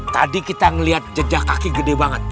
tadi kita melihat jejak kaki gede banget